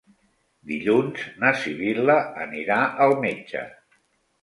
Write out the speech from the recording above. Dilluns na Sibil·la anirà al metge.